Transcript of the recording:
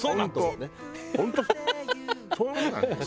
本当そうなんです。